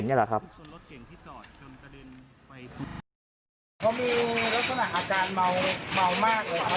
ก็แค่มีเรื่องเดียวให้มันพอแค่นี้เถอะ